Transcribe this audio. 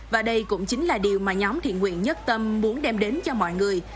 và đây cũng chính là điều mà nhóm thiện nguyện nhất tâm muốn đem đến cho mọi người